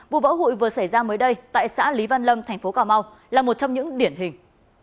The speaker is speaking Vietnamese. vụ vỡ hụi vừa xảy ra mới đây tại xã lý văn lâm thành phố cà mau là một trong những điển hình